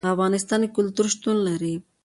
په افغانستان کې کلتور شتون لري.